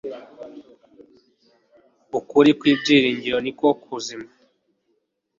ukuri kw'ibyiringiro ni ko kuzima